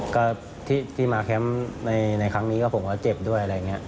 ก็ที่มาแคมป์ในครั้งนี้ก็ผมก็เจ็บด้วยอะไรอย่างนี้